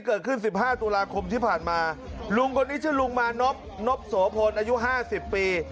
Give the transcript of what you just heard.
เกิดขึ้น๑๕ตุลาคมที่ผ่านมาลุงคนนี้ชื่อลุงมานบนพโสพลอายุห้าสิบปี